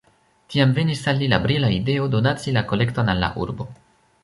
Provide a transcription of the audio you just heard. Tiam venis al li la brila ideo donaci la kolekton al la urbo.